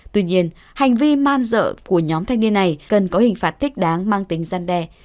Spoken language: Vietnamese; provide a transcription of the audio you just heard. tuy nhiên hành vi man dợ của nhóm thanh niên này cần có hình phạt thích đáng mang tính gian đe